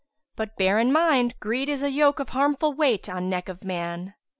But, bear in mind * Greed is a yoke of harmful weight on neck of man."